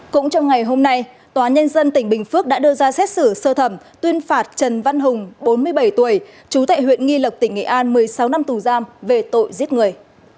cũng trong ngày hôm nay tòa nhân dân tỉnh bình phước đã đưa ra xét xử sơ thẩm tuyên phạt trần văn hùng bốn mươi bảy tuổi trú tại huyện nghi lộc tỉnh nghệ an một mươi sáu năm tù giam về tội giết người